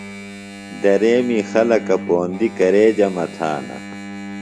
دریمی خلکہ پوندیۡ کرے جمع تھانہ؟